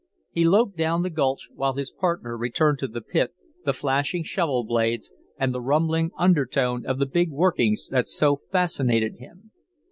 He loped down the gulch, while his partner returned to the pit, the flashing shovel blades, and the rumbling undertone of the big workings that so fascinated him.